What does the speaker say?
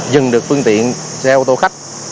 dừng được phương tiện xe ô tô khách